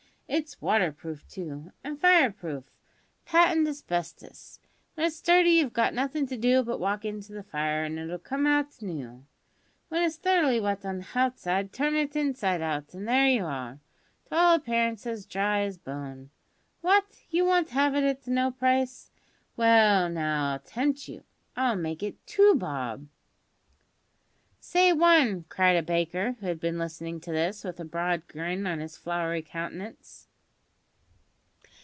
It's water proof, too, and fire proof, patent asbestos. W'en it's dirty you've got nothin' to do but walk into the fire, an' it'll come out noo. W'en it's thoroughly wet on the houtside, turn it hinside hout, an' there you are, to all appearance as dry as bone. What! you won't have it at no price? Well, now, I'll tempt you. I'll make it two bob." "Say one," cried a baker, who had been listening to this, with a broad grin on his floury countenance.